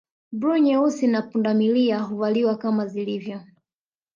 Bluu nyeusi na pundamilia huvaliwa kama zilivyo